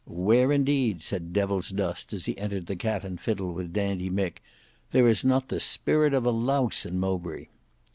"Where indeed?" said Devilsdust as he entered the Cat and Fiddle with Dandy Mick, "there is not the spirit of a louse in Mowbray."